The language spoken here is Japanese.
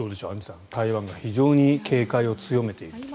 アンジュさん、台湾が非常に警戒を強めていると。